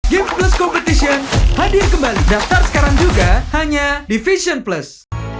game plus competition hadir kembali daftar sekarang juga hanya di fashion plus